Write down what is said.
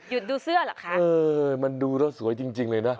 ดูเสื้อเหรอคะเออมันดูแล้วสวยจริงเลยนะ